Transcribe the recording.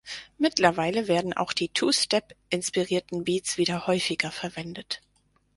Mittlerweile werden auch die Two-Step-inspirierten Beats wieder häufiger verwendet.